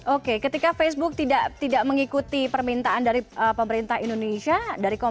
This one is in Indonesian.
oke ketika facebook tidak mengikuti permintaan dari pemerintah indonesia